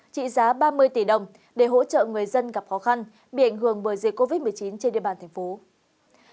trị giá ba mươi tỷ đồng để hỗ trợ người dân gặp khó khăn bị ảnh hưởng bởi dịch covid một mươi chín trên địa bàn thành phố